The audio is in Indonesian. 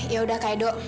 yaudah kak edo